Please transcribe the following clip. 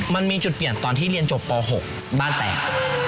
มันมีจุดเปลี่ยนตอนที่เรียนจบป๖บ้านแตก